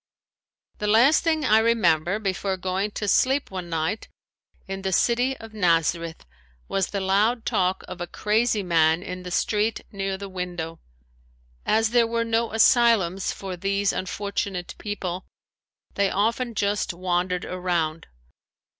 The last thing I remember before going to sleep one night in the city of Nazareth was the loud talk of a crazy man in the street near the window. As there were no asylums for these unfortunate people they often just wandered around.